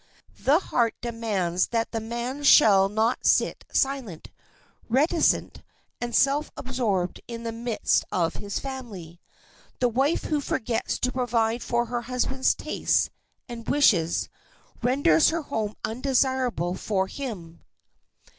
The heart demands that the man shall not sit silent, reticent, and self absorbed in the midst of his family. The wife who forgets to provide for her husband's tastes and wishes renders her home undesirable for him.